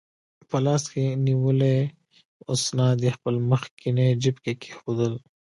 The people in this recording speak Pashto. په لاس کې نیولي اسناد یې خپل مخکني جیب کې کېښوول.